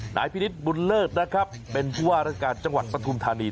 นายพินิษฐ์บุญเลิศนะครับเป็นผู้ว่าราชการจังหวัดปฐุมธานี